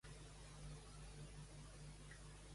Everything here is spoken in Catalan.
Va exercir com a tal successivament en Salamanca i Alacant.